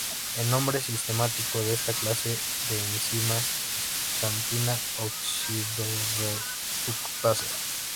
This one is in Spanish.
El nombre sistemático de esta clase de enzimas es xantina: oxidorreductasa.